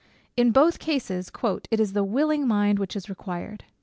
In both cases, "it is the willing mind which is required."